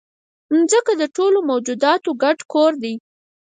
مځکه د ټولو موجوداتو ګډ کور دی.